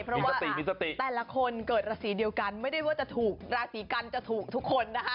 เพราะว่าแต่ละคนเกิดราศีเดียวกันไม่ได้ว่าจะถูกราศีกันจะถูกทุกคนนะคะ